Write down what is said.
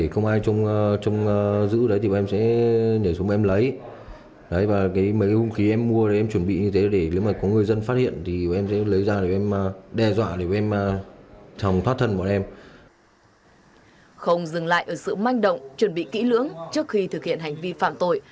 không dừng lại ở sự manh động chuẩn bị kỹ lưỡng trước khi thực hiện hành vi phạm tội